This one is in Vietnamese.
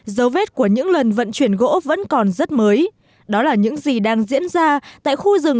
dấu vết của những lần vận chuyển gỗ vẫn còn rất mới đó là những gì đang diễn ra tại khu rừng